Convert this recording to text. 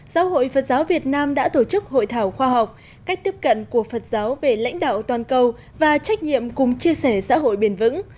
giáo hội phật giáo việt nam đã tổ chức hội thảo khoa học cách tiếp cận của phật giáo về lãnh đạo toàn cầu và trách nhiệm cùng chia sẻ xã hội bền vững